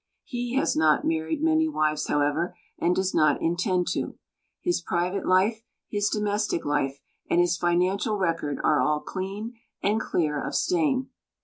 He has not married many wives, however, and does not intend to. His private life, his domestic life and his financial record are all clean and clear of stain.